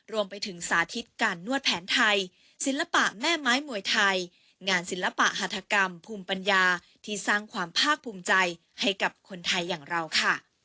รวมไปถึงสาธิตการนวดแผนไทยศิลปะแม่ไม้มวยไทยงานศิลปะหัฐกรรมภูมิปัญญาที่สร้างความภาคภูมิใจให้กับคนไทยอย่างเราค่ะ